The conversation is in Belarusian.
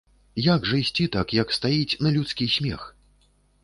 Як жа ісці так, як стаіць, на людскі смех?